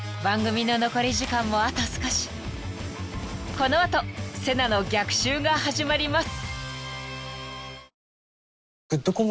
［この後セナの逆襲が始まります］